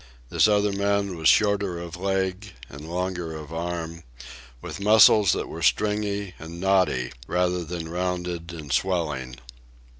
This other man was shorter of leg and longer of arm, with muscles that were stringy and knotty rather than rounded and swelling.